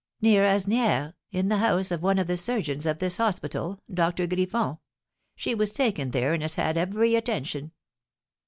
"Near Asnières, in the house of one of the surgeons of this hospital, Doctor Griffon; she was taken there, and has had every attention."